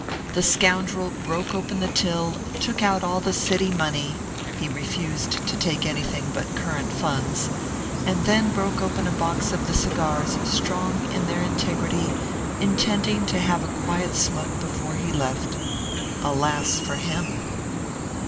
The scoundrel broke open the till, took out all the city money (he refused to take anything but current funds), and then broke open a box of the cigars strong in their integrity, intending to have a quiet smoke before he left. Alas ! for him.